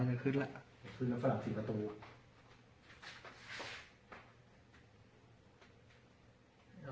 หน้ากระเป๋าอะไรหนึ่งขึ้นละ